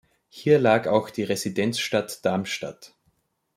Hier lag auch die Residenzstadt Darmstadt.